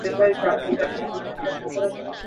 তোমার কন্ঠ তো দারুণ।